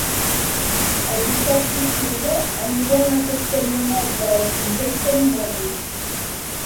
El disset d'octubre anirem a Castellonet de la Conquesta amb moto.